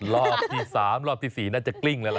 รอบที่๓รอบที่๔น่าจะกลิ้งแล้วล่ะ